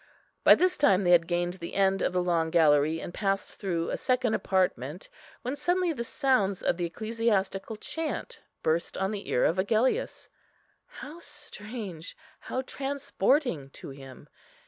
By this time they had gained the end of the long gallery, and passed through a second apartment, when suddenly the sounds of the ecclesiastical chant burst on the ear of Agellius. How strange, how transporting to him!